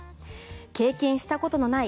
経験したことのない